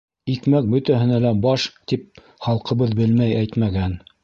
— Икмәк бөтәһенә лә баш, тип, халҡыбыҙ белмәй әйтмәгән.